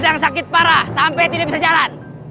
sedang sakit parah sampai tidak bisa jalan